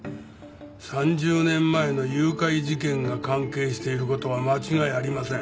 ３０年前の誘拐事件が関係している事は間違いありません。